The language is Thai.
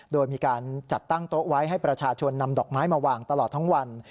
โดยมีการจัดตั้งโต๊ะไว้ให้ประชาชนนำดอกไม้มาวางตลอดทั้งวัน